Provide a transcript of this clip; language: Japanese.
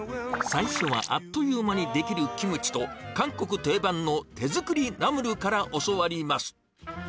最初はあっという間に出来るキムチと、韓国定番の手作りナムルから教わります。